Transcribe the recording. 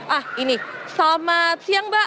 ah ini selamat siang mbak